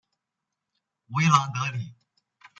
维朗德里。